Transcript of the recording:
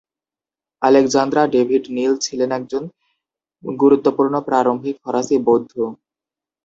Alexandra David Neel ছিলেন একজন গুরুত্বপূর্ণ প্রারম্ভিক ফরাসি বৌদ্ধ।